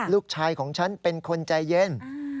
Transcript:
ลูกชายของฉันเป็นคนใจเย็น